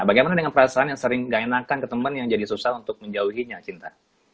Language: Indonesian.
bagaimana dengan perasaan yang sering gak enakan ke temen yang jadi susah untuk menjauhinya cinta